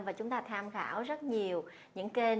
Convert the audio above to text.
và chúng ta tham khảo rất nhiều những kênh